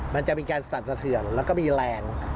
มันจะมีการสั่นสะเทือนแล้วก็มีแรง